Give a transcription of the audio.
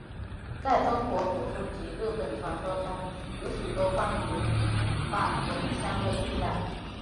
在中国古书及日本传说当中有许多关于返魂香的记载。